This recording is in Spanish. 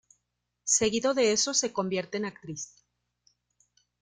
Seguido de eso se convierte en actriz.